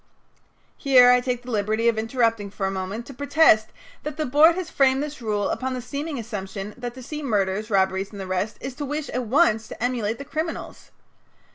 Here I take the liberty of interrupting for a moment to protest that the board has framed this rule upon the seeming assumption that to see murders, robberies, and the rest is to wish at once to emulate the criminals.